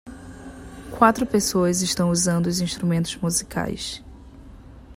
Quatro pessoas estão usando os instrumentos musicais.